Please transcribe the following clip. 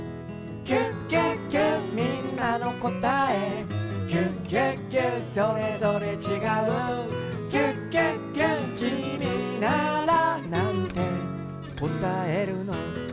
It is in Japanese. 「キュキュキュみんなのこたえ」「キュキュキュそれぞれちがう」「キュキュキュきみならなんてこたえるの？」